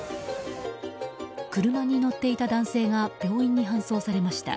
車に乗っていた男性が病院に搬送されました。